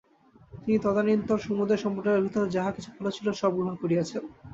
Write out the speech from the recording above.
তিনি তদানীন্তন সমুদয় সম্প্রদায়ের ভিতর যাহা কিছু ভাল ছিল, সব গ্রহণ করিয়াছেন।